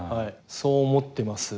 そう思っています。